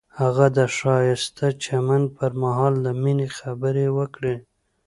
هغه د ښایسته چمن پر مهال د مینې خبرې وکړې.